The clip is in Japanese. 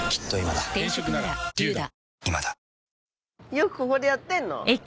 よくここでやってんの？